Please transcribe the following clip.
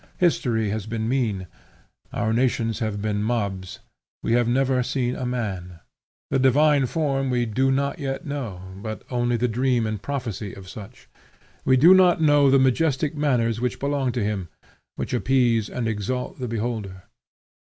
History has been mean; our nations have been mobs; we have never seen a man: that divine form we do not yet know, but only the dream and prophecy of such: we do not know the majestic manners which belong to him, which appease and exalt the beholder.